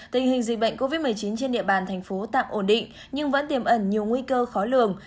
tình hình dịch bệnh covid một mươi chín trên địa bàn thành phố tạm ổn định nhưng vẫn tiềm ẩn nhiều nguy cơ khó lường